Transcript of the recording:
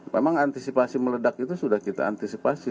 memang antisipasi meledak itu sudah kita antisipasi